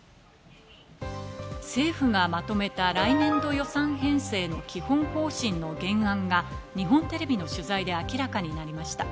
政府がまとめた来年度予算編成の基本方針の原案が日本テレビの取材で明らかになりました。